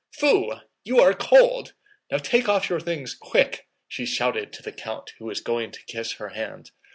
"Foo! You are cold! Now take off your things, quick!" she shouted to the count who was going to kiss her hand.